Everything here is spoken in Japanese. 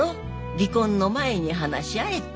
離婚の前に話し合えって。